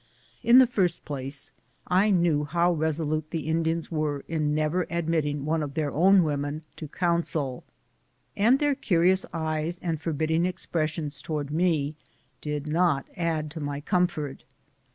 In the first place, I knew how resolute the Indians were in never admitting one of their own wom en to council, and their curious eyes and forbidding ex pressions towards me did not add to my comfort.